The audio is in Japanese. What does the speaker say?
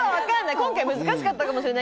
今回難しかったかもしれない。